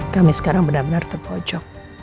kami sekarang benar benar terpojok